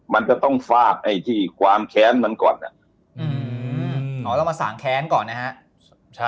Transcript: มันจะต้องฟาดไอ้ที่ความแค้นมันก่อนอ๋อต้องมาสางแค้นก่อนนะฮะ